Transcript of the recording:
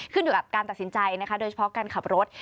ขึ้นอยู่กับการตัดสินใจนะคะโดยเฉพาะการขับรถ